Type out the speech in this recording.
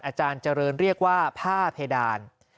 อาจารย์เจริญเรียกว่าผ้าเพดาน